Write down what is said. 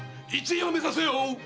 １位を目指せよ！